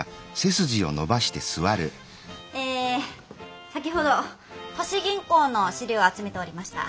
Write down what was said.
え先ほど都市銀行の資料を集めておりました。